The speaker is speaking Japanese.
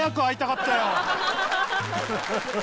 ハハハハ！